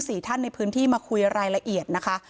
สี่ท่านในพื้นที่มาคุยรายละเอียดนะคะ